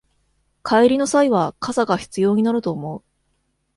帰りの際は傘が必要になると思う